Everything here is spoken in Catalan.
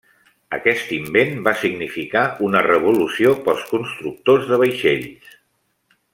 Aquest invent va significar una revolució pels constructors de vaixells.